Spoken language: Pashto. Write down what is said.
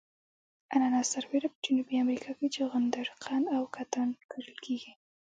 اناناس سربېره په جنوبي امریکا کې جغندر قند او کتان کرل کیږي.